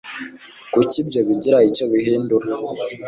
Kuki ibyo bigira icyo bihindura